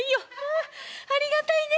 あありがたいね。